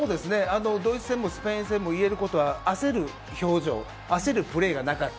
ドイツ戦もスペイン戦も言えることは、焦る表情焦るプレーがなかった。